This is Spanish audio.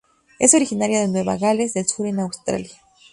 Es originaria de Nueva Gales del Sur en Australia.